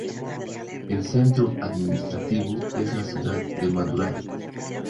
El centro administrativo es la ciudad de Madurai.